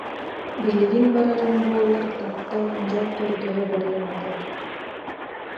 Билигин барарым буоллар таптал, дьол көрдөһө барыам этэ